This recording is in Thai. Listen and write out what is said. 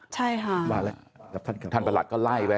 คือท่านประหลักก็ไล่ไป